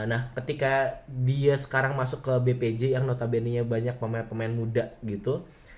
nah ketika dia sekarang masuk ke bpj yang notabene nya banyak pemain pemain muda gitu